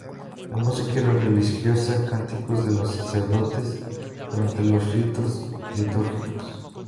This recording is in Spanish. La música era religiosa, cánticos de los sacerdotes durante los ritos litúrgicos.